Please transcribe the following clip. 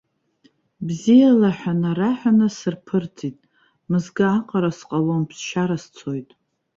Бзиала ҳәа нараҳәаны сырԥырҵит, мызкы аҟара сҟалом, ԥсшьара сцоит.